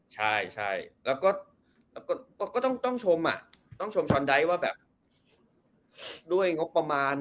ใช่แล้วก็ต้องชมอ่ะต้องชมชอนไดท์ว่าแบบด้วยงบประมาณ